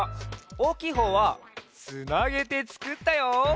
おおきいほうはつなげてつくったよ！